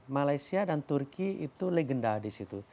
malaysia dan turki itu legenda disitu